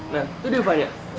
nah itu dia opanya